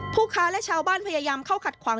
ผู้ค้าและชาวบ้านพยายามเข้าขัดขวาง